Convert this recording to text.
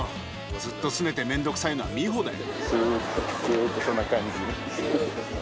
ずっとすねてめんどくさいのは美保だよ。